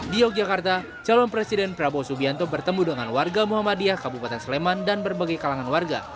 di yogyakarta calon presiden prabowo subianto bertemu dengan warga muhammadiyah kabupaten sleman dan berbagai kalangan warga